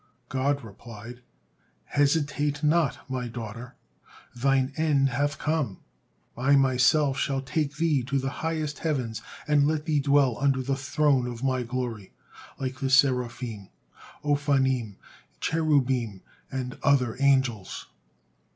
God replied: "Hesitate not, my daughter! Thine end hath come. I Myself shall take thee to the highest heavens and let thee dwell under the Throne of My Glory, like the Seraphim, Ofannim, Cherubim, and other angels."